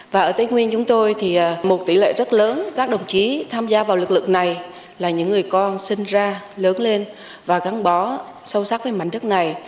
và ở tây nguyên chúng tôi thì một tỷ lệ rất lớn các đồng chí tham gia vào lực lượng này là những người con sinh ra lớn lên và gắn bó sâu sắc với mảnh đất này